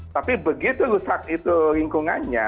tapi begitu rusak itu lingkungannya